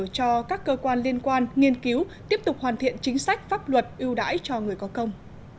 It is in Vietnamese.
cho các cơ quan liên quan nghiên cứu tiếp tục hoàn thiện chính sách pháp luật ưu đãi cho người có công